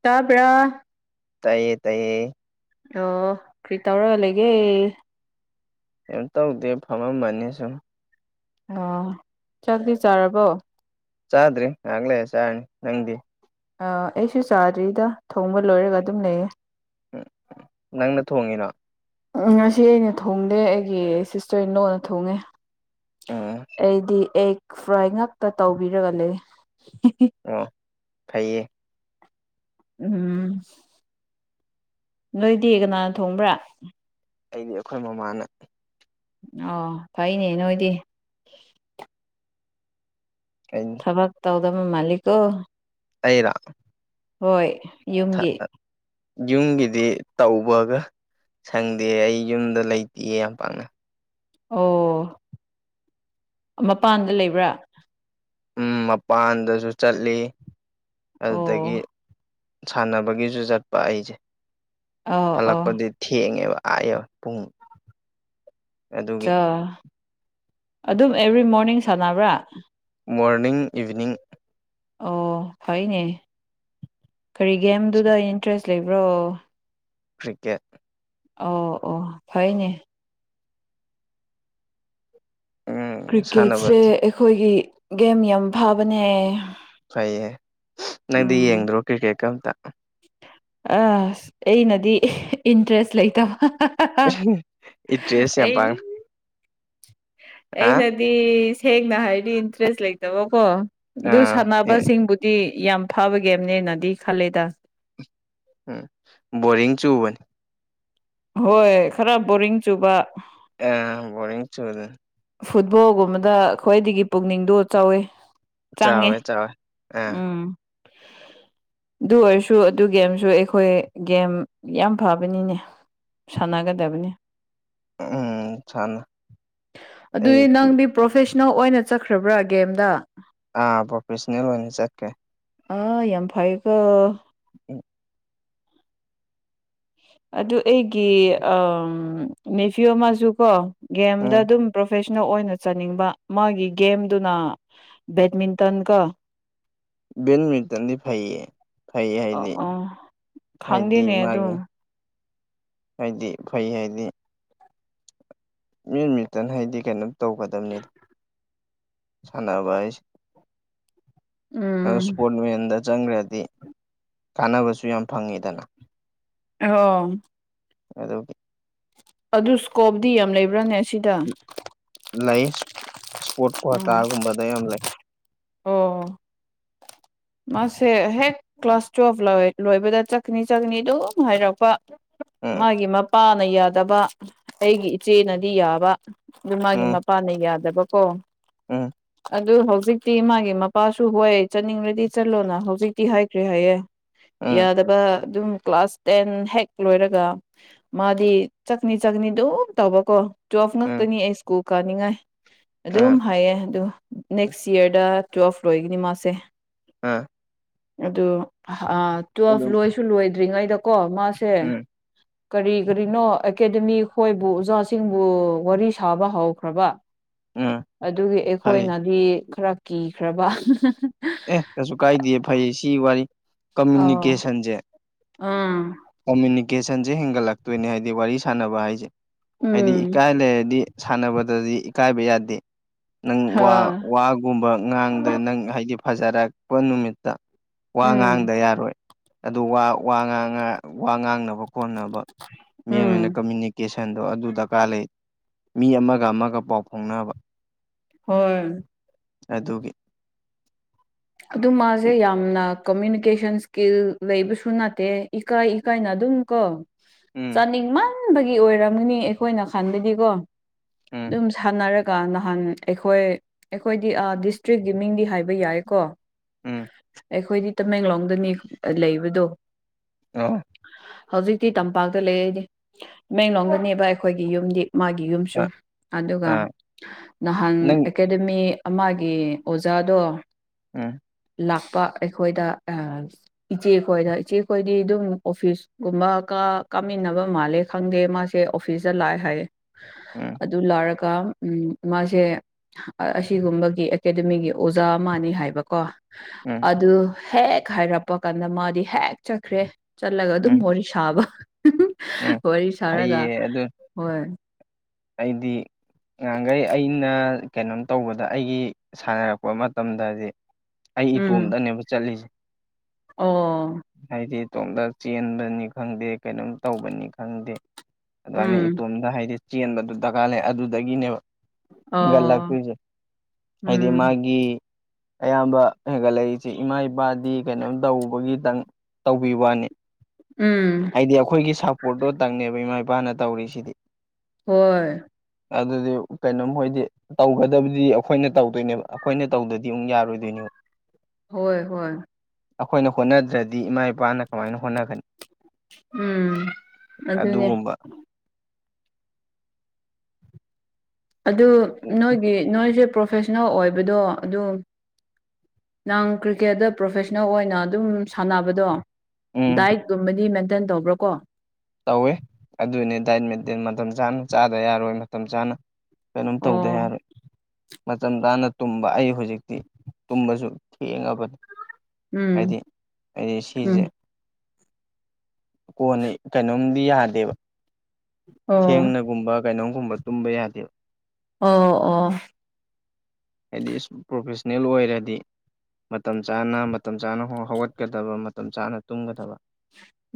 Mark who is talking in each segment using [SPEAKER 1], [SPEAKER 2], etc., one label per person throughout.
[SPEAKER 1] ꯇꯥꯕ꯭ꯔꯥ
[SPEAKER 2] ꯇꯥꯏꯌꯦ ꯇꯥꯏꯌꯦ
[SPEAKER 1] ꯑꯣ ꯀꯔꯤ ꯇꯧꯔꯒ ꯂꯩꯒꯦ
[SPEAKER 2] ꯀꯩꯝ ꯇꯧꯗꯦ ꯐꯝꯃꯝꯕꯅꯦ ꯁꯨꯝ
[SPEAKER 1] ꯑꯣ ꯆꯥꯛꯇꯤ ꯆꯥꯔꯕꯣ
[SPEAKER 2] ꯆꯥꯗ꯭ꯔꯤ ꯉꯥꯏꯍꯥꯛ ꯂꯩ ꯆꯥꯔꯅꯤ ꯅꯪꯗꯤ
[SPEAKER 1] ꯑ ꯑꯩꯁꯨ ꯆꯥꯗ꯭ꯔꯤꯗ ꯊꯣꯡꯕ ꯂꯣꯏꯔꯒ ꯑꯗꯨꯝ ꯂꯩꯌꯦ
[SPEAKER 2] ꯎꯝ ꯅꯪꯅ ꯊꯣꯡꯉꯤꯅꯣ
[SPEAKER 1] ꯎꯝ ꯉꯁꯤ ꯑꯩꯅ ꯊꯣꯡꯗꯦ ꯑꯩꯒꯤ ꯁꯤꯁꯇꯔ ꯏ ꯂꯣꯅ ꯊꯣꯡꯉꯦ
[SPEAKER 2] ꯎꯝ
[SPEAKER 1] ꯑꯩꯗꯤ ꯑꯦꯒ ꯐ꯭ꯔꯥꯏ ꯉꯥꯛꯇ ꯇꯧꯕꯤꯔꯒꯅꯦ
[SPEAKER 2] ꯑꯣ ꯐꯩꯌꯦ
[SPEAKER 1] ꯎꯝ ꯅꯣꯏꯗꯤ ꯀꯅꯥꯅ ꯊꯣꯡꯕ꯭ꯔꯥ
[SPEAKER 2] ꯑꯩꯗꯤ ꯑꯩꯈꯣꯏ ꯃꯃꯥꯅ
[SPEAKER 1] ꯑꯣ ꯐꯩꯅꯦ ꯅꯣꯏꯗꯤ
[SPEAKER 2] ꯀꯩ
[SPEAKER 1] ꯇꯕꯛ ꯇꯎꯗꯃ ꯃꯥꯜꯛꯣ
[SPEAKER 2] ꯑꯩꯔꯥ
[SPEAKER 1] ꯍꯣꯏ ꯌꯨꯝꯒꯤ
[SPEAKER 2] ꯌꯨꯝꯒꯤꯗꯤ ꯇꯧꯕꯒ ꯁꯪꯗꯦ ꯑꯩ ꯌꯨꯝꯗ ꯂꯩꯇꯦꯌꯦ ꯌꯥꯝ ꯄꯥꯛꯅ
[SPEAKER 1] ꯑꯣ ꯃꯄꯥꯟꯗ ꯂꯩꯕ꯭ꯔꯥ
[SPEAKER 2] ꯎ ꯃꯄꯥꯟꯗꯁꯨ ꯆꯠꯂꯤ
[SPEAKER 1] ꯑꯣ
[SPEAKER 2] ꯑꯗꯨꯗꯒꯤ ꯁꯥꯟꯅꯕꯒꯤꯁꯨ ꯆꯠꯄ ꯑꯩꯁꯦ
[SPEAKER 1] ꯑꯧ ꯑꯣ
[SPEAKER 2] ꯍꯜꯂꯛꯄꯗꯤ ꯊꯦꯡꯉꯦꯕ ꯑꯌꯦꯕ ꯄꯨꯡ ꯑꯗꯨ
[SPEAKER 1] ꯑ ꯑꯗꯨꯝ ꯑꯦꯕ꯭ꯔꯤ ꯃꯣꯔꯅꯤꯡ ꯁꯥꯟꯅꯕ꯭ꯔꯥ
[SPEAKER 2] ꯃꯣꯔꯅꯤꯡ ꯏꯚꯅꯤꯡ
[SPEAKER 1] ꯑꯣ ꯐꯩꯅꯦ ꯀꯔꯤ ꯒꯦꯝꯗꯨꯗ ꯏꯟꯇꯔꯦꯁ ꯂꯩꯕ꯭ꯔꯣ
[SPEAKER 2] ꯀ꯭ꯔꯤꯀꯦꯠ
[SPEAKER 1] ꯑꯣ ꯑꯣ ꯐꯩꯅꯦ
[SPEAKER 2] ꯎꯝ ꯁꯥꯟꯅꯕ
[SPEAKER 1] ꯀ꯭ꯔꯤꯛꯀꯦꯠꯁꯦ ꯑꯩꯈꯣꯏꯒꯤ ꯒꯦꯝ ꯌꯥꯝ ꯐꯥꯕꯅꯦ
[SPEAKER 2] ꯐꯩꯌꯦ ꯅꯪꯗꯤ ꯌꯦꯡꯗ꯭ꯔꯣ ꯀ꯭ꯔꯤꯀꯦꯠꯀ ꯑꯃꯝꯇ
[SPEAKER 1] ꯑ ꯑꯩꯅꯗꯤ ꯏꯟꯇꯔꯦꯁ ꯂꯩꯇꯕ
[SPEAKER 2] ꯏꯠꯇꯦ ꯆ
[SPEAKER 1] ꯑꯩ
[SPEAKER 2] ꯌꯥꯝꯄꯥꯡ
[SPEAKER 1] ꯑꯩꯅꯗꯤ ꯁꯦꯡꯅ ꯍꯥꯏꯗꯤ ꯏꯟꯇꯔꯦꯁ ꯂꯩꯇꯕꯀꯣ ꯑꯗꯨ
[SPEAKER 2] ꯑꯥ
[SPEAKER 1] ꯁꯥꯟꯅꯕꯁꯤꯡꯕꯨꯗꯤ ꯌꯥꯝ ꯐꯕ ꯒꯦꯝꯅꯦꯅꯗꯤ ꯈꯜꯂꯦꯗ
[SPEAKER 2] ꯎꯝ ꯕꯣꯔꯤꯡ ꯆꯨꯕꯅꯤ
[SPEAKER 1] ꯍꯣꯏ ꯈꯔ ꯕꯣꯔꯤꯡ ꯆꯨꯕ
[SPEAKER 2] ꯑꯦ ꯕꯣꯔꯡ ꯆ ꯑꯣꯏꯗ
[SPEAKER 1] ꯐꯨꯠꯕꯣꯜꯒꯨꯝꯕꯗ ꯈ꯭ꯋꯥꯏꯗꯒꯤ ꯄꯨꯛꯅꯤꯡꯗ ꯆꯥꯎꯋꯤ ꯆꯥꯡꯉꯦ
[SPEAKER 2] ꯆꯥꯎꯋꯦ ꯆꯥꯎꯋꯦ ꯑ
[SPEAKER 1] ꯎꯝ ꯑꯗꯨ ꯑꯣꯏꯔꯁꯨ ꯑꯗꯨꯒꯤꯒꯦꯝꯦꯝꯁꯨ ꯑꯩꯈꯣꯏ ꯒꯦꯝ ꯌꯥꯝ ꯐꯕꯅꯤꯅꯦ ꯁꯥꯟꯅꯒꯗꯕꯅꯤ
[SPEAKER 2] ꯎꯝ ꯁꯅ
[SPEAKER 1] ꯑꯗꯨꯗꯤ ꯅꯪꯗꯤ ꯄ꯭ꯔꯣꯐꯦꯁꯅꯦꯜ ꯑꯣꯏꯅ ꯆꯠꯈ꯭ꯔꯕ꯭ꯔꯥ ꯒꯦꯝꯗ
[SPEAKER 2] ꯑꯥ ꯄ꯭ꯔꯣꯐꯦꯁꯅꯦꯜ ꯑꯣꯏꯅ ꯆꯠꯀꯦ
[SPEAKER 1] ꯑꯥ ꯌꯥꯝ ꯐꯩꯀꯣ
[SPEAKER 2] ꯎ
[SPEAKER 1] ꯑꯗꯨ ꯑꯩꯒꯤ ꯅꯅꯤꯐꯤꯌꯣ ꯃꯆꯨꯀꯣ ꯒꯦꯝꯗ
[SPEAKER 2] ꯎꯝ
[SPEAKER 1] ꯑꯗꯨꯝ ꯄ꯭ꯔꯣꯐꯦꯁꯅꯦꯜ ꯑꯣꯏꯅ ꯆꯥꯅꯤꯡꯕ ꯃꯥꯒꯤ ꯒꯦꯝꯗꯨꯅ ꯕꯦꯠꯃꯤꯟꯇꯟꯒ
[SPEAKER 2] ꯕꯦꯠꯃꯤꯟꯇꯟꯗꯤ ꯐꯩꯌꯦ ꯐꯩ
[SPEAKER 1] ꯑ
[SPEAKER 2] ꯍꯥꯏꯗꯤ
[SPEAKER 1] ꯑꯣ
[SPEAKER 2] ꯍꯥꯏꯗꯤ
[SPEAKER 1] ꯈꯪꯗꯦꯅꯦ ꯑꯗꯨ
[SPEAKER 2] ꯃꯥꯒꯤ ꯍꯥꯏꯗꯤ ꯐꯩ ꯍꯥꯏꯗꯤ ꯃꯤꯠꯃꯤꯇꯟ ꯍꯥꯏꯗꯤ ꯀꯩꯅꯣꯝ ꯇꯧꯒꯗꯕꯅꯤꯗ ꯁꯥꯟꯅꯕꯥꯏ ꯑꯗꯨ
[SPEAKER 1] ꯎꯝ
[SPEAKER 2] ꯏꯁꯄꯣꯔꯠ ꯃꯦꯟꯗ ꯆꯪꯈ꯭ꯔꯗꯤ ꯀꯥꯅꯕꯁꯨ ꯌꯥꯝ ꯐꯪꯉꯤꯗꯅ
[SPEAKER 1] ꯑꯣ
[SPEAKER 2] ꯑꯗꯨ
[SPEAKER 1] ꯑꯗꯨ ꯏꯁꯀꯣꯞꯇꯗꯤ ꯌꯥꯝ ꯂꯩꯕ꯭ꯔꯥꯅꯦ ꯁꯤꯗ
[SPEAKER 2] ꯂꯩ ꯏꯁꯄꯣꯔꯠ
[SPEAKER 1] ꯎꯝ
[SPEAKER 2] ꯀ꯭ꯨꯍꯇꯥꯒꯨꯝꯕꯗ ꯌꯥꯝ ꯂꯩ
[SPEAKER 1] ꯑꯣ ꯃꯥꯁꯦ ꯍꯦꯛ ꯀ꯭ꯂꯥꯁ ꯇꯨꯋꯦꯜꯕ ꯂꯣꯏꯕꯗ ꯆꯠꯀꯅꯤ ꯆꯠꯅꯤ ꯑꯗꯨꯝ ꯍꯥꯏꯔꯛꯄ
[SPEAKER 2] ꯎꯝ
[SPEAKER 1] ꯃꯥꯒꯤ ꯃꯄꯥꯅ ꯌꯥꯗꯕ ꯑꯩꯒꯤ ꯏꯆꯦꯅꯗꯤ ꯌꯥꯕ ꯑꯗꯨ ꯃꯥꯒꯤ
[SPEAKER 2] ꯎꯝ
[SPEAKER 1] ꯄꯥꯅ ꯌꯥꯗꯕꯀꯣ
[SPEAKER 2] ꯎꯝ
[SPEAKER 1] ꯑꯗꯨ ꯍꯧꯖꯤꯛꯇꯤ ꯃꯥꯒꯤ ꯃꯄꯥꯁꯨ ꯍ ꯆꯠꯅꯤꯡꯕ꯭ꯔꯗꯤ ꯆꯠꯂꯣꯅ ꯍꯧꯖꯤꯛꯇꯤ ꯍꯥꯏꯈ꯭ꯔꯦ ꯍꯥꯏꯌꯦ
[SPEAKER 2] ꯎꯝ
[SPEAKER 1] ꯌꯥꯗꯕ ꯑꯗꯨꯝ ꯀ꯭ꯂꯥꯁ ꯇꯦꯟ ꯍꯦꯛ ꯂꯣꯏꯔꯒ ꯃꯥꯗꯤ ꯆꯥꯛꯅꯤ ꯆꯥꯛꯅꯤ ꯑꯗꯨꯝ ꯇꯧꯕꯀꯣ ꯇꯨꯋꯦꯜꯐ
[SPEAKER 2] ꯎꯝ
[SPEAKER 1] ꯉꯥꯛꯇꯅꯤ ꯑꯩ ꯁ꯭ꯀꯨꯜ ꯀꯥꯅꯤꯡꯉꯥꯏ ꯑꯗꯨꯝ
[SPEAKER 2] ꯎꯝ
[SPEAKER 1] ꯍꯥꯏꯌꯦ ꯑꯗꯣ ꯅꯦꯛꯁ ꯌꯔꯗ ꯇꯨꯋꯦꯜꯐ ꯂꯣꯏꯒꯅꯤ ꯃꯥꯁꯦ
[SPEAKER 2] ꯎꯝ
[SPEAKER 1] ꯑꯗꯨ ꯇꯨꯋꯦꯜꯐ
[SPEAKER 2] ꯑꯗꯨꯝ
[SPEAKER 1] ꯂꯣꯏꯁꯨ ꯂꯣꯏꯗ꯭ꯔꯤꯉꯩꯗꯀꯣ ꯃꯥꯁꯦ
[SPEAKER 2] ꯎꯝ
[SPEAKER 1] ꯀꯔꯤ ꯀꯔꯤꯅꯣ ꯑꯦꯀꯥꯗꯃꯤ ꯈꯣꯏꯕꯨ ꯑꯣꯖꯥꯁꯤꯡꯕꯨ ꯋꯥꯔꯤ ꯁꯥꯕ ꯍꯧꯈ꯭ꯔꯕ
[SPEAKER 2] ꯎꯝ
[SPEAKER 1] ꯑꯗꯨꯒꯤ
[SPEAKER 2] ꯐꯩ
[SPEAKER 1] ꯑꯩꯈꯣꯏꯅꯗꯤ ꯈꯔ ꯀꯤꯈ꯭ꯔꯕ
[SPEAKER 2] ꯑꯦ ꯆꯠꯁꯨ ꯀꯥꯏꯗꯦ ꯐꯩꯌꯦ ꯁꯤ ꯋꯥꯔꯤ
[SPEAKER 1] ꯑꯣ
[SPEAKER 2] ꯀꯃꯨꯅꯤꯀꯦꯁꯟꯁꯦ
[SPEAKER 1] ꯑꯥ
[SPEAKER 2] ꯀꯃꯨꯅꯤꯀꯦꯁꯟꯁꯦ ꯍꯦꯟꯒꯠꯂꯛꯇꯣꯏꯅꯦ ꯍꯥꯏꯗꯤ ꯋꯥꯔꯤ ꯁꯥꯟꯅꯕ ꯍꯥꯏꯁꯦ ꯍꯥꯏꯗꯤ
[SPEAKER 1] ꯎꯝ
[SPEAKER 2] ꯏꯀꯥꯏ ꯂꯩꯔꯗꯤ ꯁꯥꯟꯅꯕꯗꯗꯤ ꯏꯀꯥꯏꯕ ꯌꯥꯗꯦ ꯅꯪ ꯋꯥ
[SPEAKER 1] ꯍꯣꯏ
[SPEAKER 2] ꯋꯥ ꯒꯨꯝꯕ ꯉꯥꯡꯗ ꯅꯪ ꯍꯥꯏꯗꯤ ꯐꯖꯔꯛꯄ ꯅꯨꯃꯤꯠꯇ ꯋꯥ
[SPEAKER 1] ꯎꯝ
[SPEAKER 2] ꯉꯥꯡꯗ ꯌꯥꯔꯣꯏ ꯑꯗꯨ ꯋꯥ ꯋꯥ ꯉꯥꯡꯅꯕ ꯈꯣꯠꯅꯕ ꯃꯤ
[SPEAKER 1] ꯎꯝ
[SPEAKER 2] ꯑꯣꯏꯅ ꯀꯃꯨꯅꯤ ꯏꯁꯀꯦꯁꯟꯗꯣ ꯑꯗꯨ ꯗꯔꯀꯥꯔ ꯂꯩ ꯃꯤ ꯑꯃꯒ ꯑꯃꯒ ꯄꯥꯎ ꯐꯥꯎꯅꯕ
[SPEAKER 1] ꯍꯣꯏ
[SPEAKER 2] ꯑꯗꯨꯒꯤ
[SPEAKER 1] ꯑꯗꯨ ꯃꯥꯁꯦ ꯌꯥꯝꯅ ꯀꯃꯨꯅꯤꯀꯦꯁꯟ ꯏꯁꯀꯤꯜ ꯂꯩꯕꯁꯨ ꯅꯠꯇꯦ ꯏꯀꯥꯏ ꯏꯀꯥꯏꯅ ꯑꯗꯨꯝ ꯀꯣ
[SPEAKER 2] ꯎꯝ
[SPEAKER 1] ꯆꯥꯅꯤꯡꯃꯟꯕꯒꯤ ꯑꯣꯏꯔꯝꯒꯅꯤ ꯑꯩꯈꯣꯏꯅ ꯈꯟꯗꯗꯤꯀꯣ
[SPEAKER 2] ꯎꯝ
[SPEAKER 1] ꯑꯗꯨꯝ ꯁꯥꯟꯅꯔꯒ ꯅꯍꯥꯟ ꯑꯩꯈꯣꯏ ꯑꯩꯈꯣꯏꯗꯤ ꯗꯤꯁꯇ꯭ꯔꯤꯛꯀꯤ ꯃꯤꯡꯗꯤ ꯍꯥꯏꯕ ꯌꯥꯏꯀꯣ
[SPEAKER 2] ꯎꯝ
[SPEAKER 1] ꯑꯩꯈꯣꯏꯗꯤ ꯇꯃꯦꯡꯂꯣꯡꯗꯅꯤ ꯂꯩꯕꯗꯣ
[SPEAKER 2] [unintelligible]
[SPEAKER 1] ꯍꯧꯖꯤꯛꯇꯤ ꯇꯝꯄꯥꯛꯇ ꯂꯩꯔꯗꯤ ꯇꯃꯦꯡꯂꯣꯡꯝꯒꯅꯦꯕ ꯑꯩꯈꯣꯏꯒꯤ ꯌꯨꯝꯗꯤ ꯃꯥꯒꯤ ꯌꯨꯝꯁꯨ
[SPEAKER 2] ꯑ
[SPEAKER 1] ꯑꯗꯨꯒ
[SPEAKER 2] ꯑꯥ
[SPEAKER 1] ꯅꯍꯥꯟ
[SPEAKER 2] ꯅꯪ
[SPEAKER 1] ꯑꯦꯀꯥꯗꯃꯤ ꯑꯃꯒꯤ ꯑꯣꯖꯥꯗꯣ
[SPEAKER 2] ꯎꯝ
[SPEAKER 1] ꯂꯥꯛꯄ ꯑꯩꯈꯣꯏꯗ ꯏꯆꯦꯈꯣꯏꯗ ꯏꯆꯦꯈꯣꯏꯗꯤ ꯑꯗꯨꯝ ꯑꯣꯐꯤꯁꯀꯨꯝꯕ ꯀ ꯀꯥꯃꯤꯟꯅꯕ ꯃꯥꯜꯂꯦ ꯈꯪꯗꯦ ꯃꯥꯁꯦ ꯑꯣꯐꯤꯁꯇ ꯂꯥꯛꯑꯦ ꯍꯥꯏꯌꯦ
[SPEAKER 2] ꯎꯝ
[SPEAKER 1] ꯑꯗꯨ ꯎ ꯃꯥꯁꯦ ꯑꯁꯤꯒꯨꯝꯕꯒꯤ ꯑꯦꯀꯥꯗꯃꯤꯒꯤ ꯑꯣꯖꯥ ꯑꯃꯅꯤ ꯍꯥꯏꯕ ꯀꯣ
[SPEAKER 2] ꯎꯝ
[SPEAKER 1] ꯑꯗꯨ ꯍꯦꯛ ꯍꯥꯏꯔꯛꯄ ꯀꯥꯟꯗ ꯃꯥꯗꯤ ꯍꯦꯛ ꯆꯠꯈ꯭ꯔꯦ ꯆꯠꯂꯒ ꯑꯗꯨꯝ
[SPEAKER 2] ꯎꯝ
[SPEAKER 1] ꯋꯥꯔꯤ ꯁꯥꯕ
[SPEAKER 2] ꯎꯝ
[SPEAKER 1] ꯋꯥꯔꯤ ꯁꯥꯔꯒ
[SPEAKER 2] ꯐꯩꯌꯦ ꯑꯗꯨ
[SPEAKER 1] ꯍꯣꯏ
[SPEAKER 2] ꯑꯩꯗꯤ ꯉꯥꯡꯈꯩ ꯑꯩꯅ ꯀꯩꯅꯣꯝ ꯇꯧꯕꯗ ꯑꯩꯒꯤ ꯁꯥꯟꯅꯔꯛꯄ ꯃꯇꯝꯗꯗꯤ ꯑꯩ
[SPEAKER 1] ꯎꯝ
[SPEAKER 2] ꯏꯇꯣꯝꯗꯅꯦꯕ ꯆꯠꯂꯤꯁꯦ
[SPEAKER 1] ꯑꯣ
[SPEAKER 2] ꯍꯥꯏꯗꯤ ꯇꯣꯝꯇ ꯆꯦꯟꯕꯅꯤ ꯈꯪꯗꯦ ꯀꯩꯅꯣꯝ ꯇꯧꯕꯅꯤ ꯈꯪꯗꯦ ꯑꯗꯨꯃꯥꯏꯅ
[SPEAKER 1] ꯎꯝ
[SPEAKER 2] ꯏꯇꯣꯝꯗ ꯍꯥꯏꯗꯤ ꯆꯦꯟꯕꯗꯨ ꯗꯔꯀꯥꯔ ꯂꯩ ꯑꯗꯨꯗꯒꯤꯅꯦꯕ
[SPEAKER 1] ꯑꯣ
[SPEAKER 2] ꯍꯒꯜꯂꯥꯛꯄꯤ꯭ꯣꯏꯁꯦ ꯍꯥꯏꯗꯤ
[SPEAKER 1] ꯎꯝ
[SPEAKER 2] ꯃꯥꯒꯤ ꯑꯌꯥꯝꯕ ꯍꯦꯟꯒꯠꯂꯛꯏꯁꯤꯦ ꯏꯃꯥ ꯏꯄꯥꯗꯤ ꯀꯩꯅꯣꯝ ꯇꯧꯕꯒꯤꯇꯪ ꯇꯧꯕꯤ ꯋꯥꯅꯤ
[SPEAKER 1] ꯎꯝ
[SPEAKER 2] ꯍꯥꯏꯗꯤ ꯑꯩꯈꯣꯏꯒꯤ ꯁꯞꯄꯣꯔꯠꯇꯣꯇꯪꯅꯦꯕ ꯏꯃꯥ ꯏꯄꯥꯅ ꯇꯧꯔꯤꯁꯤꯗꯤ
[SPEAKER 1] ꯍꯣꯏ
[SPEAKER 2] ꯑꯗꯨꯗꯤ ꯀꯩꯅꯣꯝ ꯍꯣꯏꯗꯤ ꯇꯧꯒꯗꯕꯗꯤ ꯑꯩꯈꯣꯏꯅ ꯇꯧꯗꯣꯏꯅꯦꯕ ꯑꯩꯈꯣꯏꯅ ꯇꯧꯗꯗꯤ ꯑꯃꯨꯛ ꯌꯥꯔꯣꯏꯗꯣꯏꯅꯦꯕ
[SPEAKER 1] ꯍꯣꯏ ꯍꯣꯏ
[SPEAKER 2] ꯑꯩꯈꯣꯏꯅ ꯍꯣꯠꯅꯗ꯭ꯔꯗꯤ ꯏꯃꯥ ꯏꯄꯥꯅ ꯀꯃꯥꯏꯅ ꯍꯣꯠꯅꯒꯅꯤ
[SPEAKER 1] ꯎꯝ ꯑꯗꯨꯅꯦ
[SPEAKER 2] ꯑꯗꯨꯒꯨꯝꯕ
[SPEAKER 1] ꯑꯗꯨ ꯅꯣꯏꯒꯤ ꯅꯣꯏꯁꯦ ꯄ꯭ꯔꯣꯐꯦꯁꯅꯦꯜ ꯑꯣꯏꯕꯗꯣ ꯑꯗꯨ ꯅꯪ ꯀ꯭ꯔꯤꯀꯦꯠꯇ ꯄ꯭ꯔꯣꯐꯦꯁꯅꯦꯜ ꯑꯣꯏꯅ ꯑꯗꯨꯝ ꯁꯥꯟꯅꯕꯗꯣ
[SPEAKER 2] ꯎꯝ
[SPEAKER 1] ꯗꯥꯏꯠꯀꯨꯝꯕꯅꯤ ꯃꯦꯟꯇꯦꯟ ꯇꯧꯕ꯭ꯔꯣ ꯀꯣ
[SPEAKER 2] ꯇꯧꯏꯦ ꯑꯗꯨꯅꯤ ꯗꯥꯏꯠ ꯃꯦꯟꯇꯦꯟ ꯃꯇꯝ ꯆꯥꯅ ꯆꯥꯗꯕ ꯌꯥꯔꯣꯏ ꯃꯇꯝ ꯆꯥꯅ ꯀꯩꯅꯣꯝ ꯇꯧꯗꯦ
[SPEAKER 1] ꯑꯣ
[SPEAKER 2] ꯍꯥꯏꯔꯦ ꯃꯇꯝ ꯆꯥꯅ ꯇꯨꯝꯕ ꯑꯩ ꯍꯧꯖꯤꯛꯇꯤ ꯇꯨꯝꯕꯁꯨ ꯊꯦꯡꯉꯕꯅꯤ
[SPEAKER 1] ꯎꯝ
[SPEAKER 2] ꯍꯥꯏꯗꯤ ꯍꯥꯏꯗꯤ ꯁꯤꯁꯦ
[SPEAKER 1] ꯎꯝ
[SPEAKER 2] ꯀꯣꯟꯅ ꯀꯩꯅꯣꯝꯗꯤ ꯌꯥꯗꯦꯕ
[SPEAKER 1] ꯑꯣ
[SPEAKER 2] ꯁꯦꯡꯅꯒꯨꯝꯕ ꯀꯩꯅꯣꯝꯒꯨꯝꯕ ꯇꯨꯝꯕ ꯌꯥꯗꯦꯕ
[SPEAKER 1] ꯑꯣ ꯑꯣ
[SPEAKER 2] ꯍꯥꯏꯗꯤ ꯄ꯭ꯔꯣꯐꯦꯁꯅꯦꯜ ꯑꯣꯏꯔꯗꯤ ꯃꯇꯝ ꯆꯥꯅ ꯃꯇꯝ ꯆꯥꯅ ꯍꯧꯒꯠꯀꯗꯕ ꯃꯇꯝ ꯆꯥꯅ ꯇꯨꯝꯒꯗꯕ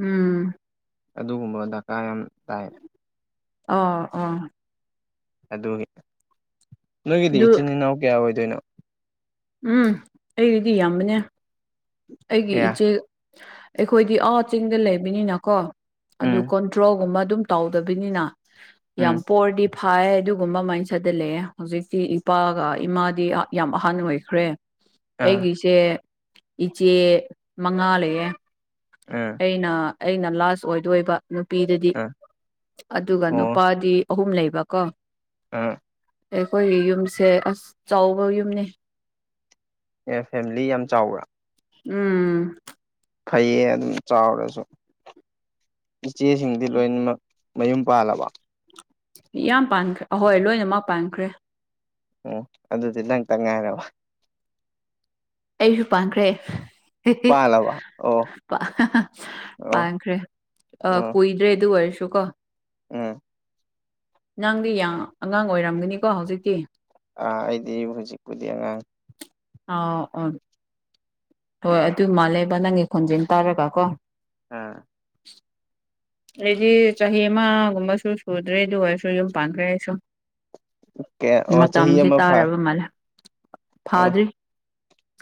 [SPEAKER 1] ꯎꯝ
[SPEAKER 2] ꯑꯗꯨꯒꯨꯝꯕ ꯗꯔꯀꯥꯔ ꯌꯥꯝ ꯇꯥꯏ
[SPEAKER 1] ꯑꯣ ꯑꯣ
[SPEAKER 2] ꯑꯗꯨꯒꯤ ꯅꯣꯏꯒꯤꯗꯤ
[SPEAKER 1] ꯑꯗꯨ
[SPEAKER 2] ꯏꯆꯤꯟ ꯏꯅꯥꯎ ꯀꯌꯥ ꯑꯣꯏꯗꯣꯏꯅꯣ
[SPEAKER 1] ꯎꯝ ꯑꯩꯗꯤꯗꯤ ꯌꯥꯝꯕꯅꯦ ꯑꯩꯒꯤ
[SPEAKER 2] ꯀꯌꯥ
[SPEAKER 1] ꯏꯆꯦ ꯑꯩꯈꯣꯏꯗꯤ ꯑꯥ ꯆꯤꯡꯗ ꯂꯩꯕꯅꯤꯅ ꯀꯣ ꯑꯗꯨ
[SPEAKER 2] ꯎꯝ
[SPEAKER 1] ꯀꯣꯟꯇ꯭ꯔꯣꯒꯨꯝꯕ ꯑꯗꯨꯝ ꯇꯧꯗꯕꯅꯤꯅ ꯌꯥꯝ
[SPEAKER 2] ꯎꯝ
[SPEAKER 1] ꯄꯣꯔꯗꯤ ꯐꯥꯏ ꯑꯗꯨꯒꯨꯝꯕ ꯃꯥꯏꯅ ꯆꯠꯗꯂꯑꯦ ꯍꯧꯖꯤꯛꯇꯤ ꯏꯄꯥꯒ ꯏꯃꯥꯗꯤ ꯌꯥꯝ ꯑꯍꯥꯟ ꯑꯣꯏꯈ꯭ꯔꯦ
[SPEAKER 2] ꯑꯥ
[SPEAKER 1] ꯑꯩꯒꯤꯁꯦ ꯏꯆꯦ ꯃꯉꯥ ꯂꯩꯌꯦꯦ
[SPEAKER 2] ꯎ
[SPEAKER 1] ꯑꯩꯅ ꯑꯩꯅ ꯂꯥꯁ ꯑꯣꯏꯗꯣꯏꯕ ꯅꯨꯄꯤꯗꯗꯤ
[SPEAKER 2] ꯑꯥ
[SPEAKER 1] ꯑꯗꯨꯒ
[SPEAKER 2] ꯑꯣ
[SPEAKER 1] ꯅꯨꯄꯥꯗꯤ ꯑꯍꯨꯝ ꯂꯩꯕꯀꯣ
[SPEAKER 2] ꯎ
[SPEAKER 1] ꯑꯩꯈꯣꯏꯒꯤ ꯌꯨꯝꯁꯦ ꯑꯁ ꯆꯥꯎꯕ ꯌꯨꯝꯅꯤ
[SPEAKER 2] ꯑꯦ ꯐꯦꯃꯤꯂꯤ ꯌꯥꯝ ꯆꯥꯎꯕ꯭ꯔꯥ
[SPEAKER 1] ꯎꯝ
[SPEAKER 2] ꯐꯩꯌꯦ ꯑꯗꯨꯝ ꯆꯥꯎꯔꯁꯨ ꯏꯆꯦꯁꯤꯡꯗꯤ ꯂꯣꯏꯅꯃꯛ ꯃꯌꯨꯝ ꯄꯥꯜꯂꯕ
[SPEAKER 1] ꯌꯥꯝ ꯄꯥꯟꯈ꯭ꯔꯦ ꯑꯍꯣꯏ ꯂꯣꯏꯅꯃꯛ ꯄꯥꯟꯈ꯭ꯔꯦ
[SPEAKER 2] ꯎꯝ ꯑꯗꯨꯗꯤ ꯅꯪꯇ ꯉꯥꯏꯔꯕ
[SPEAKER 1] ꯑꯩꯁꯨ ꯄꯥꯟꯈ꯭ꯔꯦ
[SPEAKER 2] ꯄꯥꯜꯂꯕ ꯑꯣ ꯑꯣ
[SPEAKER 1] ꯄꯥꯡꯈ꯭ꯔꯦ ꯑ ꯀꯣꯏ ꯔꯦ ꯑꯗꯨ ꯑꯣꯏꯔꯁꯨ ꯀꯣ
[SPEAKER 2] ꯎ
[SPEAKER 1] ꯅꯥꯡꯗꯤ ꯑꯉꯥꯡ ꯑꯣꯏꯔꯝꯒꯅꯤꯀꯣ ꯍꯧꯖꯤꯛꯇꯤ
[SPEAKER 2] ꯑ ꯑꯩꯗꯤ ꯍꯧꯖꯤꯛꯄꯨꯗꯤꯉ
[SPEAKER 1] ꯑ ꯑꯣ ꯍꯣꯏ ꯑꯗꯨ ꯃꯥꯜꯂꯦꯕ ꯅꯪꯒꯤ ꯈꯣꯟꯖꯦꯜ ꯇꯥꯔꯒ ꯀꯣ
[SPEAKER 2] ꯑꯝ
[SPEAKER 1] ꯑꯗꯨꯗꯤ ꯆꯍꯤ ꯑꯃꯒꯨꯝꯕꯁꯨ ꯁꯨꯗ꯭ꯔꯦ ꯑꯗꯨ ꯑꯣꯏꯔꯁꯨ ꯌꯨꯝ ꯄꯥꯟꯈ꯭ꯔꯦ ꯍꯥꯏꯁꯨ
[SPEAKER 2] ꯀꯌꯥ ꯑꯣ ꯆꯍꯤ
[SPEAKER 1] ꯃꯇꯝꯁꯦ
[SPEAKER 2] ꯑꯃ ꯐꯥꯏ
[SPEAKER 1] ꯇꯥꯔꯕ ꯃꯥꯜꯂꯦ
[SPEAKER 2] ꯑꯣ
[SPEAKER 1] ꯐꯥꯗ꯭ꯔꯤ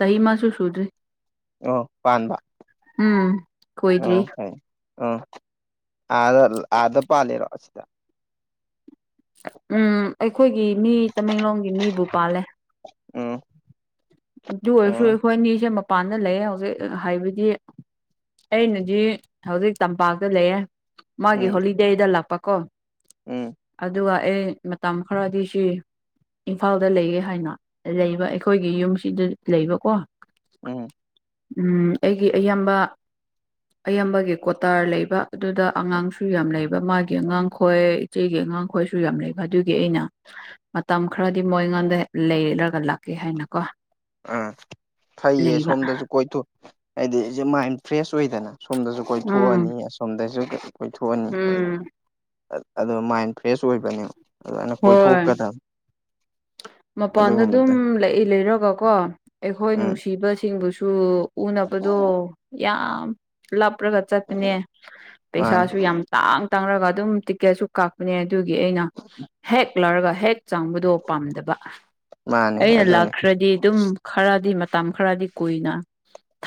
[SPEAKER 1] ꯁꯍꯤ ꯃꯥꯁꯨ ꯁꯨꯗ꯭ꯔꯤ
[SPEAKER 2] ꯑꯣ ꯄꯥꯟꯕ
[SPEAKER 1] ꯎꯝ ꯀꯣꯏꯗ꯭ꯔꯤ
[SPEAKER 2] ꯑꯣ ꯐꯔ ꯎꯝ ꯑꯗ ꯑꯗ ꯄꯥꯜꯂꯤꯔꯣ ꯁꯤꯗ
[SPEAKER 1] ꯎꯝ ꯑꯩꯈꯣꯏꯒꯤ ꯃꯤ ꯇꯃꯦꯡꯂꯣꯡꯒꯤ ꯃꯤꯕꯨ ꯄꯥꯜꯂꯦ
[SPEAKER 2] ꯎꯝ
[SPEAKER 1] ꯑꯗꯨ ꯑꯣꯏꯔꯁꯨ
[SPEAKER 2] ꯎꯝ
[SPEAKER 1] ꯑꯩꯈꯣꯏ ꯑꯅꯤꯁꯦ ꯃꯄꯥꯟꯗ ꯂꯩꯌꯦ ꯍꯧꯖꯤꯛ ꯍꯥꯏꯕꯗꯤ ꯑꯩꯅꯗꯤ ꯍꯧꯖꯤꯛ ꯇꯝꯄꯥꯛꯇ ꯂꯩꯌꯦꯦ ꯃꯥꯒꯤ
[SPEAKER 2] ꯎꯝ
[SPEAKER 1] ꯍꯣꯂꯤꯗꯦꯗ ꯂꯥꯛꯄꯀꯣ
[SPEAKER 2] ꯎꯝ
[SPEAKER 1] ꯑꯗꯨꯒ ꯑꯩ ꯃꯇꯝ ꯈꯔꯗꯤ ꯁꯤ ꯏꯝꯐꯥꯜꯗ ꯂꯩꯒꯦ ꯍꯥꯏꯅ ꯂꯩꯕ ꯑꯩꯈꯣꯏꯒꯤ ꯌꯨꯝꯁꯤꯗ ꯂꯩꯕꯀꯣ
[SPEAKER 2] ꯎꯝ
[SPEAKER 1] ꯎꯝ ꯑꯩꯒꯤ ꯑꯌꯥꯝꯕ ꯑꯌꯥꯝꯕꯒꯤ ꯀꯣꯇꯥꯔ ꯂꯩꯕ ꯑꯗꯨꯗ ꯑꯉꯥꯡꯁꯨ ꯌꯥꯝ ꯂꯩꯕ ꯃꯥꯒꯤ ꯑꯉꯥꯡꯈꯣꯏ ꯏꯆꯦꯒꯤ ꯑꯉꯥꯡ ꯑꯩꯈꯣꯏꯁꯨ ꯌꯥꯝ ꯂꯩꯕ ꯑꯗꯨꯒꯤ ꯑꯩꯅ ꯃꯇꯝ ꯈꯔꯗꯤ ꯃꯣꯏ ꯑꯩꯉꯣꯟꯗ ꯂꯩꯔꯒ ꯂꯥꯛꯀꯦ ꯍꯥꯏꯅꯀꯣ
[SPEAKER 2] ꯑꯥ ꯐꯩꯌꯦ
[SPEAKER 1] ꯂꯩꯕ
[SPEAKER 2] ꯁꯣꯝꯗꯁꯨ ꯀꯣꯏꯊꯣꯛ ꯍꯥꯏꯗꯤ ꯑꯩꯁꯦ ꯃꯥꯏꯟ ꯐ꯭ꯔꯦꯁ ꯑꯣꯏꯗꯅ ꯁꯣꯝꯗꯁꯨ
[SPEAKER 1] ꯎꯝ
[SPEAKER 2] ꯀꯣꯏꯊꯣꯛꯑꯅꯤ ꯑꯁꯣꯝꯗꯁꯨ ꯀꯣꯏꯊꯣꯛꯑꯅꯤ
[SPEAKER 1] ꯎꯝ
[SPEAKER 2] ꯑ ꯃꯥꯏꯟ ꯐ꯭ꯔꯦꯁ ꯑꯣꯏꯕꯅꯦ
[SPEAKER 1] ꯍꯣꯏ ꯃꯄꯥꯟꯗ ꯑꯗꯨꯝ
[SPEAKER 2] ꯑꯗꯨꯒꯨꯝꯕꯗ
[SPEAKER 1] ꯂꯩ ꯂꯩꯔ ꯇꯔꯒ ꯀꯣ ꯑꯩꯈꯣꯏ
[SPEAKER 2] ꯎꯝ
[SPEAKER 1] ꯅꯨꯡꯁꯤꯕꯁꯤꯡꯕꯨꯁꯨ ꯎꯅꯕꯗꯣ ꯌꯥꯝ ꯂꯥꯞꯄꯔꯒ ꯆꯠꯄꯅꯦ
[SPEAKER 2] ꯃꯥꯅꯤ
[SPEAKER 1] ꯄꯩꯁꯥꯁꯨ ꯌꯥꯝ ꯇꯥꯡ ꯇꯥꯡꯔꯒ ꯑꯗꯨꯝ ꯇꯤꯛꯀꯦꯠꯁꯨ ꯀꯛꯄꯅꯦ ꯑꯗꯨꯒꯤ ꯑꯩꯅ
[SPEAKER 2] ꯇꯅ
[SPEAKER 1] ꯍꯦꯛ ꯂꯧꯔꯒ ꯍꯦꯛ ꯆꯥꯡꯕꯗꯣ ꯄꯥꯝꯗꯕ
[SPEAKER 2] ꯃꯥꯅꯤ
[SPEAKER 1] ꯑꯩꯅ
[SPEAKER 2] ꯑꯗꯨꯅꯤ
[SPEAKER 1] ꯂꯥꯛꯈ꯭ꯔꯗꯤ ꯑꯗꯨꯝ ꯈꯔꯗꯤ ꯃꯇꯝ ꯈꯔꯗꯤ ꯀꯨꯏꯅ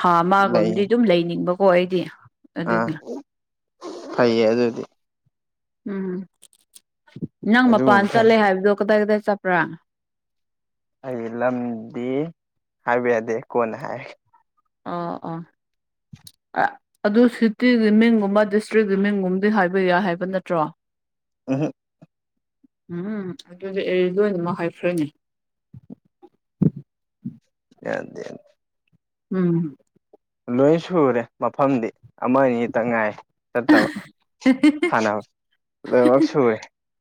[SPEAKER 1] ꯊꯥ
[SPEAKER 2] ꯂꯩ
[SPEAKER 1] ꯑꯃꯒꯨꯝꯕꯗꯤ ꯑꯗꯨꯝ ꯂꯩꯅꯤꯡꯕꯀꯣ ꯑꯩꯗꯤ
[SPEAKER 2] ꯑꯥ
[SPEAKER 1] ꯑꯗꯨꯒ
[SPEAKER 2] ꯐꯩꯌꯦ ꯑꯗꯨꯗꯤ
[SPEAKER 1] ꯎꯝ ꯅꯪ ꯃꯄꯥꯟ
[SPEAKER 2] ꯑꯗꯨꯒꯨꯝꯕ
[SPEAKER 1] ꯆꯠꯂꯦ
[SPEAKER 2] ꯐꯩ
[SPEAKER 1] ꯍꯥꯏꯕꯗꯣ ꯀꯗꯥꯏ ꯀꯗꯥꯏ ꯆꯠꯄ꯭ꯔꯥꯅ
[SPEAKER 2] ꯑꯩ ꯂꯝꯗꯤ ꯍꯥꯏꯕ ꯌꯥꯗꯦ ꯀꯣꯟꯅ ꯍꯥꯏ
[SPEAKER 1] ꯑꯣ ꯑꯣ ꯑ ꯑꯗꯨ ꯁꯤꯇꯤꯒꯤ ꯃꯤꯡꯒꯨꯝꯕ ꯗꯤꯁꯇ꯭ꯔꯤꯛꯀꯤ ꯃꯤꯡꯒꯨꯝꯕꯗꯤ ꯍꯥꯏꯕ ꯌꯥꯏ ꯍꯥꯏꯕ ꯅꯠꯇ꯭ꯔꯣ
[SPEAKER 2] ꯑꯍ
[SPEAKER 1] ꯎꯝ ꯑꯗꯨꯗꯤ ꯑꯦ ꯂꯣꯏ ꯑꯣꯏꯅꯃꯛ ꯍꯥꯏꯈ꯭ꯔꯅꯤ
[SPEAKER 2] ꯌꯥ
[SPEAKER 1] ꯎꯝ
[SPEAKER 2] ꯂꯣꯏ ꯁꯨꯔꯦ ꯃꯐꯝꯗꯤ ꯑꯃꯅꯤ ꯑꯅꯤ ꯇꯪ ꯉꯥꯏ ꯆꯠꯇꯕ ꯁꯥꯟꯅꯕ ꯂꯣꯏꯃꯛ ꯁꯨꯔꯦ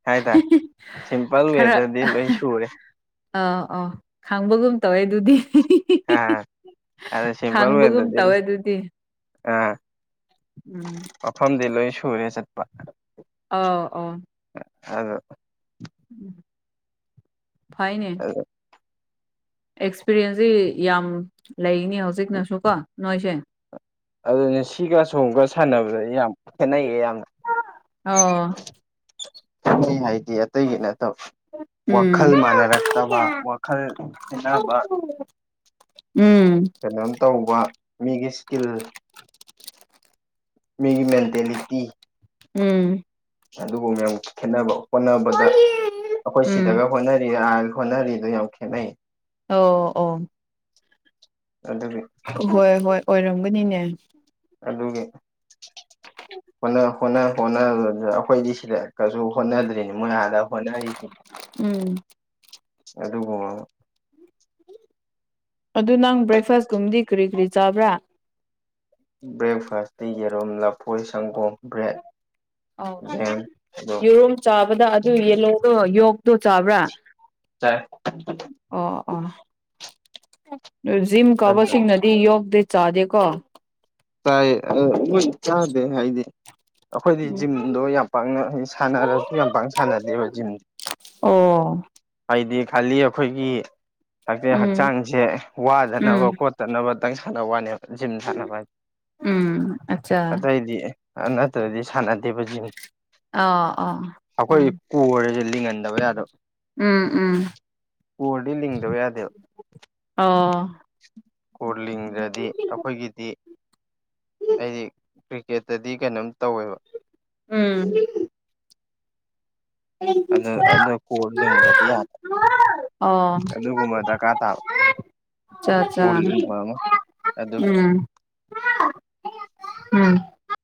[SPEAKER 2] ꯍꯥꯏꯇꯥꯔꯦ ꯁꯤꯝꯄꯜ
[SPEAKER 1] ꯈꯔ
[SPEAKER 2] ꯋꯦꯗꯗꯤ ꯂꯣꯏ ꯁꯨꯔꯦ
[SPEAKER 1] ꯑꯥ ꯑꯥ ꯈꯥꯡꯕꯒꯨꯝ ꯇꯧꯋꯦ ꯑꯗꯨꯗꯤ [unintelligible]
[SPEAKER 2] ꯑꯗꯨ ꯁꯤꯝꯄꯜ
[SPEAKER 1] ꯈꯥꯡꯕꯒꯨꯝ
[SPEAKER 2] ꯋꯦꯗꯗꯤ
[SPEAKER 1] ꯇꯧꯋꯦ ꯑꯗꯨꯗꯤ
[SPEAKER 2] ꯑ
[SPEAKER 1] ꯎꯝ
[SPEAKER 2] ꯃꯐꯝꯗꯤ ꯂꯣꯏ ꯁꯨꯔꯦ ꯆꯠꯄ
[SPEAKER 1] ꯑꯥꯎ ꯑꯣ
[SPEAKER 2] ꯑꯗꯨ
[SPEAKER 1] ꯐꯥꯏꯅꯦ ꯑꯦꯛꯁꯄꯤꯔꯤꯌꯦꯟꯁꯁꯤ ꯌꯥꯝ ꯂꯩꯅꯤ ꯍꯧꯖꯤꯛꯅꯁꯨꯀꯣ ꯅꯣꯏꯁꯦ
[SPEAKER 2] ꯑꯗꯨꯅꯦ ꯁꯤꯒ ꯁꯣꯝꯒ ꯁꯥꯟꯅꯕꯗ ꯌꯥꯝ ꯈꯦꯠꯅꯩꯌꯦ ꯌꯥꯝꯅ
[SPEAKER 1] ꯑꯣ
[SPEAKER 2] [unintelligible] ꯍꯥꯏꯗꯤ ꯑꯇꯩꯒꯤ ꯅꯠꯇꯕ ꯋꯥꯈꯜ
[SPEAKER 1] ꯎꯝ
[SPEAKER 2] ꯃꯥꯟꯅꯔꯛꯇꯕ ꯋꯥꯈꯜ ꯈꯦꯠꯅꯕ
[SPEAKER 1] ꯎꯝ
[SPEAKER 2] ꯀꯩꯅꯣꯝ ꯇꯧꯕ ꯃꯤꯒꯤ ꯏꯁꯀꯤꯜ ꯃꯤꯒꯤ ꯃꯦꯟꯇꯦꯂꯤꯇꯤ
[SPEAKER 1] ꯎꯝ
[SPEAKER 2] ꯑꯗꯨꯕꯨ ꯃꯌꯥꯝ ꯈꯦꯠꯅꯕ ꯍꯣꯠꯅꯕꯗ ꯑꯩꯈꯣꯏ
[SPEAKER 1] ꯎꯝ
[SPEAKER 2] ꯁꯤꯗꯒ ꯍꯣꯠꯅꯔꯤ ꯍꯣꯠꯅꯔꯤꯗꯣ ꯌꯥꯝ ꯈꯦꯠꯅꯩ
[SPEAKER 1] ꯑꯣ ꯑꯣ
[SPEAKER 2] ꯑꯗꯨꯒꯤ
[SPEAKER 1] ꯍꯣꯏ ꯍꯣꯏ ꯑꯣꯏꯔꯝꯒꯅꯤꯅꯦ
[SPEAKER 2] ꯑꯗꯨꯒꯤꯣ [unintelligible] ꯑꯩꯈꯣꯏꯗꯤ ꯁꯤꯗ ꯀꯩꯁꯨ ꯍꯣꯠꯅꯗ꯭ꯔꯤꯅꯤ ꯃꯣꯏ ꯑꯥꯗ ꯍꯣꯠꯅꯔꯤ
[SPEAKER 1] ꯎꯝ
[SPEAKER 2] ꯑꯗꯨꯕꯨ
[SPEAKER 1] ꯑꯗꯨ ꯅꯪ ꯕ꯭ꯔꯦꯛꯐꯥꯁꯀꯨꯝꯕꯗꯤ ꯀꯔꯤ ꯀꯔꯤ ꯆꯥꯕ꯭ꯔꯥ
[SPEAKER 2] ꯕ꯭ꯔꯦꯛꯐꯥꯁꯇ ꯌꯦꯔꯨꯝ ꯂꯐꯣꯏ ꯁꯪꯒꯣꯝ ꯕ꯭ꯔꯦꯗ ꯖꯦꯝ
[SPEAKER 1] [unintelligible]
[SPEAKER 2] ꯑꯗꯨ
[SPEAKER 1] ꯌꯦꯔꯨꯝꯝ ꯆꯥꯕꯗ ꯑꯗꯨ ꯌꯦꯂꯣ ꯌꯣꯛꯇꯣ ꯆꯥꯕ꯭ꯔꯥ
[SPEAKER 2] ꯆꯥꯏ
[SPEAKER 1] ꯑꯣ ꯑꯣ ꯖꯤꯝ ꯀꯥꯕ ꯁꯤꯡꯅ ꯗꯤ ꯌꯣꯒꯗꯤ ꯆꯥꯗꯦꯀꯣ
[SPEAKER 2] ꯇꯥꯏ [unintelligible] ꯆꯥꯗꯦ ꯍꯥꯏꯗꯤ ꯑꯩꯈꯣꯏꯗꯤ
[SPEAKER 1] ꯎꯝ
[SPEAKER 2] ꯖꯤꯝꯗꯣ ꯌꯥꯝ ꯄꯥꯛꯅ ꯁꯥꯟꯅꯔꯁꯨ ꯌꯥꯝ ꯄꯥꯛꯅ ꯁꯥꯟꯅꯗꯦꯕ ꯖꯤꯝꯗꯤ
[SPEAKER 1] ꯑꯣ
[SPEAKER 2] ꯍꯥꯏꯗꯤ ꯈꯥꯜꯂꯤ ꯑꯩꯈꯣꯏꯒꯤ
[SPEAKER 1] ꯎꯝ
[SPEAKER 2] ꯍꯛꯆꯥꯡꯁꯦ
[SPEAKER 1] ꯎꯝ
[SPEAKER 2] ꯋꯥꯗꯅꯕ ꯈꯣꯠ ꯇꯥꯅꯕ ꯇꯪ ꯥꯟꯅꯕ ꯋꯥꯅꯦꯕ ꯖꯤꯝ ꯁꯥꯟꯅꯕ ꯍꯥꯏ
[SPEAKER 1] ꯎꯝ ꯑꯠꯆꯥ
[SPEAKER 2] ꯑꯇꯩꯗꯤ ꯅꯠꯇ꯭ꯔꯗꯤ ꯁꯥꯟꯅꯗꯦꯕ ꯖꯤꯝ
[SPEAKER 1] ꯑ ꯑ ꯎꯝ
[SPEAKER 2] ꯑꯩꯈꯣꯏ [unintelligible] ꯂꯤꯡꯍꯟꯗꯕ ꯌꯥꯗꯕ
[SPEAKER 1] ꯎꯝ ꯎꯝ
[SPEAKER 2] ꯀꯣꯔꯗꯤ ꯂꯤꯡꯗꯕ
[SPEAKER 1] ꯑꯣ
[SPEAKER 2] ꯀꯣ ꯂꯤꯡꯗꯗꯤ ꯑꯩꯈꯣꯏꯒꯤꯗꯤ ꯑꯩꯗꯤ ꯀ꯭ꯔꯤꯀꯦꯠꯇꯗꯤ ꯀꯩꯅꯣꯝ ꯇꯧꯋꯦꯕ
[SPEAKER 1] ꯎꯝ
[SPEAKER 2] ꯑꯗꯨ ꯑꯗꯨ ꯀꯣ ꯂꯤꯡꯗꯗꯤ ꯌꯥꯗꯦ
[SPEAKER 1] ꯑꯣ
[SPEAKER 2] ꯑꯗꯨꯒꯨꯝꯕ ꯗꯔꯀꯥꯔ ꯇꯥꯕ
[SPEAKER 1] ꯑꯆꯥ
[SPEAKER 2] ꯀꯣ
[SPEAKER 1] ꯑꯆꯥ
[SPEAKER 2] ꯂꯤꯡꯕ ꯑꯃ ꯑꯗꯨꯒꯤ
[SPEAKER 1] ꯎꯝ [unintelligible] ꯎꯝ